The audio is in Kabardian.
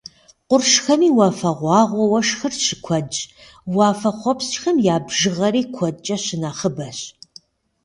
Къуршхэми уафэгъуагъуэ уэшхыр щыкуэдщ, уафэхъуэпскӏхэм я бжыгъэри куэдкӏэ щынэхъыбэщ.